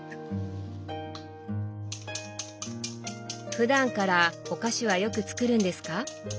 ふだんからお菓子はよく作るんですか？